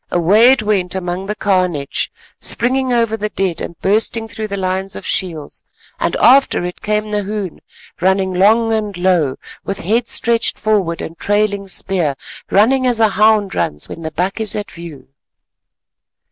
Away it went among the carnage, springing over the dead and bursting through the lines of shields, and after it came Nahoon, running long and low with head stretched forward and trailing spear, running as a hound runs when the buck is at view.